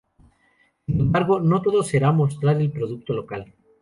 Sin embargo, no todo será mostrar el producto local.